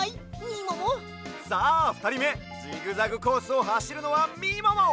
さあふたりめジグザグコースをはしるのはみもも！